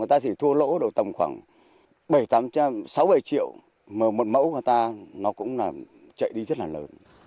do lo ngại không bán được nhiều